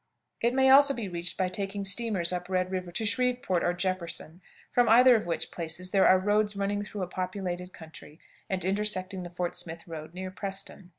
It may also be reached by taking steamers up Red River to Shreveport or Jefferson, from either of which places there are roads running through a populated country, and intersecting the Fort Smith road near Preston.